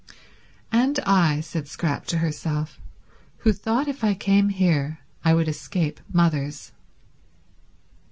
"And I," said Scrap to herself, "who thought if I came here I would escape mothers."